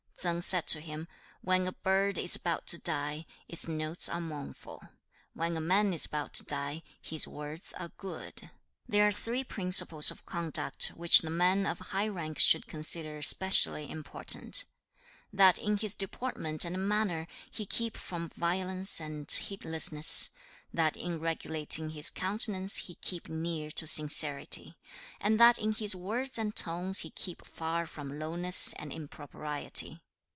2. Tsang said to him, 'When a bird is about to die, its notes are mournful; when a man is about to die, his words are good. 3. 'There are three principles of conduct which the man of high rank should consider specially important: that in his deportment and manner he keep from violence and heedlessness; that in regulating his countenance he keep near to sincerity; and that in his words and tones he keep far from lowness and impropriety.